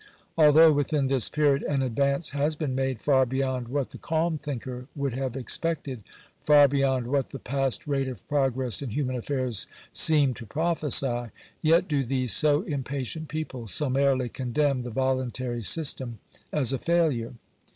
Although within this period an advance has been made far beyond what the calm thinker would have expected — far be yond what the past rate of progress in human affairs seemed to prophesy — yet do these so impatient people summarily condemn the voluntary system as a failure